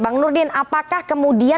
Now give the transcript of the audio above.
bang nurdin apakah kemungkinan